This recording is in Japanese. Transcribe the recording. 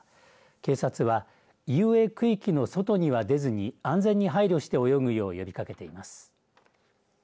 警察は遊泳区域の外には出ずに安全に配慮して泳ぐよう呼びかけています。